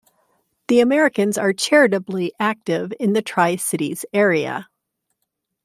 The Americans are charitably-active in the Tri-Cities area.